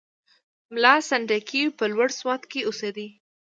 ملا سنډکی په لوړ سوات کې اوسېدی.